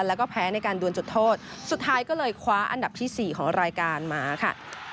แล้วก็แพ้ในการดวนจุดโทษสุดท้ายก็เลยคว้าอันดับที่สี่ของรายการมาค่ะ